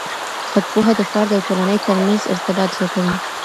خود پوهه د فرد او ټولنې ترمنځ ارتباط زیاتوي.